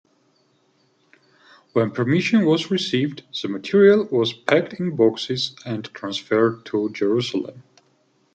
When permission was received, the material was packed in boxes and transferred to Jerusalem.